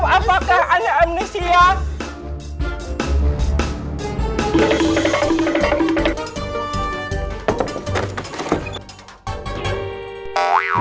apakah aneh amnesia